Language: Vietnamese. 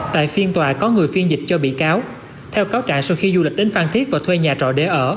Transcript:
tại phiên tòa có người phiên dịch cho bị cáo theo cáo trạng sau khi du lịch đến phan thiết và thuê nhà trọ để ở